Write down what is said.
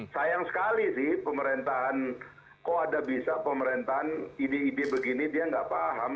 sayang sekali sih pemerintahan kok ada bisa pemerintahan ide ide begini dia nggak paham